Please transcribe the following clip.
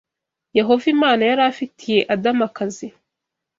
Yehova Imana yari afitiye Adamu akazi